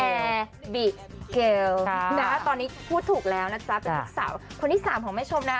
แอร์บิเกลตอนนี้พูดถูกแล้วนะจ๊ะเป็นลูกสาวคนที่สามของแม่ชมนะ